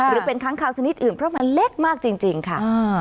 หรือเป็นค้างคาวชนิดอื่นเพราะมันเล็กมากจริงค่ะ